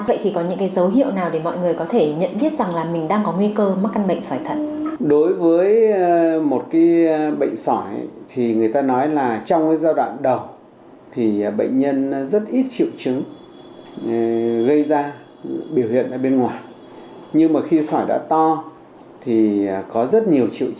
vậy thì có những dấu hiệu nào để mọi người có thể nhận biết rằng là mình đang có nguy cơ mắc căn bệnh sỏi thận